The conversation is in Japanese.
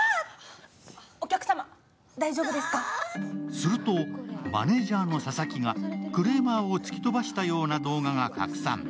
すると、マネージャーの佐々木がクレーマーを突き飛ばしたような動画が拡散。